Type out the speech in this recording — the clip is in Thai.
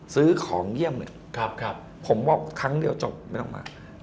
ซื้อของเยี่ยมเลยผมบอกครั้งเดียวจบไม่ต้องมา